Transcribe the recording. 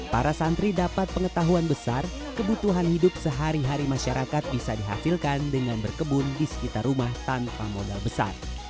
para santri dapat pengetahuan besar kebutuhan hidup sehari hari masyarakat bisa dihasilkan dengan berkebun di sekitar rumah tanpa modal besar